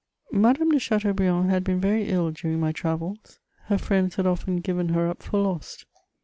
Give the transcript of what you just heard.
_ Madame de Chateaubriand had been very ill during my travels; her friends had often given her up for lost.